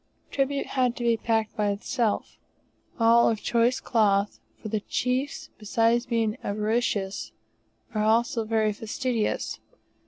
Tribute had to be packed by itself, all of choice cloth; for the chiefs, besides being avaricious, are also very fastidious.